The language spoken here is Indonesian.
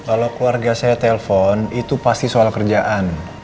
kalau keluarga saya telpon itu pasti soal kerjaan